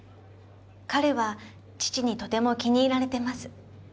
彼は父にとても気に入られてます。